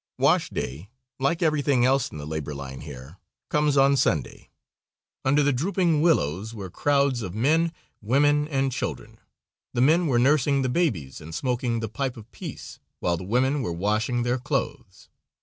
Wash day, like everything else in the labor line here, comes on Sunday. Under the drooping willows were crowds of men, women, and children. The men were nursing the babies and smoking the pipe of peace, while the women were washing their clothes.